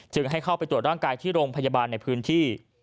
ให้เข้าไปตรวจร่างกายที่โรงพยาบาลในพื้นที่